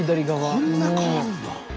こんなに変わるんだ。